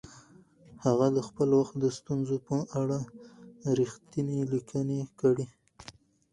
هغه د خپل وخت د ستونزو په اړه رښتیني لیکنې کړي.